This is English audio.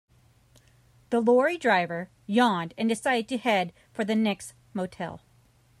The lorry driver yawned and decided to head for the next motel.